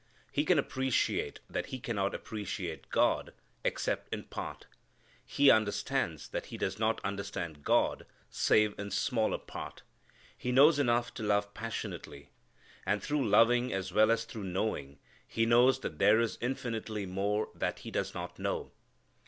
He can appreciate that he cannot appreciate God, except in part. He understands that he does not understand God save in smaller part. He knows enough to love passionately. And through loving as well as through knowing he knows that there is infinitely more that he does not know.